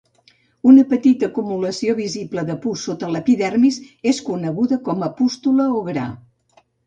Una petita acumulació visible de pus sota l'epidermis és coneguda com una pústula o gra.